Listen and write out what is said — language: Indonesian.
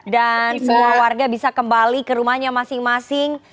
dan semua warga bisa kembali ke rumahnya masing masing